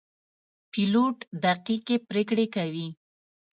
پیلوټ دقیقې پرېکړې کوي.